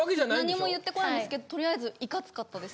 何も言ってこないんですけどとりあえずいかつかったです。